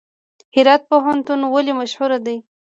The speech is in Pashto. هرات پوهنتون ولې مشهور دی؟